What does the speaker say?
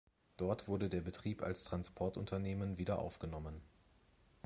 Dort wurde der Betrieb als Transportunternehmen wieder aufgenommen.